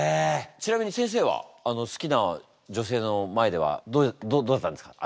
ちなみに先生は好きな女性の前ではどうだったんですか？